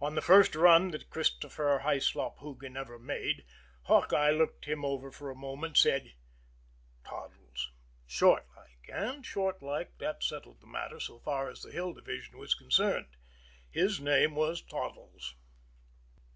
On the first run that Christopher Hyslop Hoogan ever made, Hawkeye looked him over for a minute, said, "Toddles," short like and, short like, that settled the matter so far as the Hill Division was concerned. His name was Toddles.